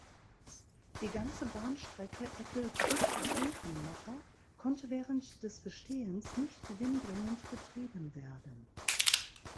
Die ganze "Bahnstrecke Ettelbrück–Grevenmacher" konnte während des Bestehens nicht gewinnbringend betrieben werden.